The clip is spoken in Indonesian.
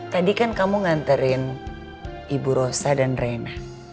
tadi kan kamu nganterin ibu rosa dan reina